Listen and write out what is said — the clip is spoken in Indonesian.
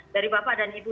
dari bapak dan ibu